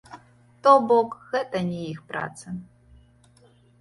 То бок, гэта не іх праца.